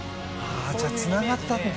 じゃあ、つながった。